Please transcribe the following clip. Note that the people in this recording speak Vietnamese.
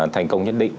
thành công nhất định